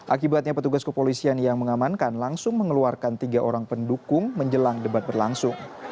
akibatnya petugas kepolisian yang mengamankan langsung mengeluarkan tiga orang pendukung menjelang debat berlangsung